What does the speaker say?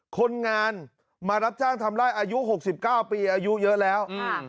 คนงานมารับจ้างทำไล่อายุ๖๙ปีอายุเยอะแล้ว